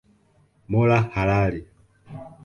Mola halali